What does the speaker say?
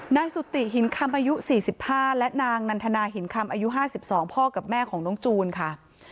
นายสุติหินคำอายุ๔๕และนางนันทนาหินคำอายุ๕๒พ่อกับแม่ของน้องจูนค่ะ